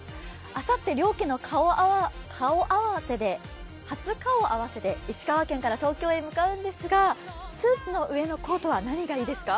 あさって両家の初顔合わせで石川県から東京へ向かうんですがスーツの上のコートは何がいいですか？